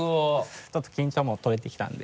ちょっと緊張も取れてきたので。